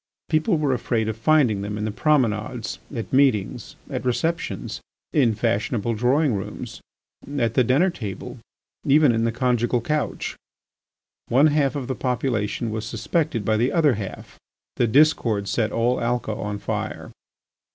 People were afraid of finding them in the promenades, at meetings, at receptions, in fashionable drawing rooms, at the dinner table, even in the conjugal couch. One half of the population was suspected by the other half. The discord set all Alca on fire.